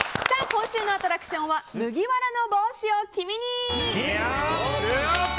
今週のアトラクションは麦わらの帽子を君に！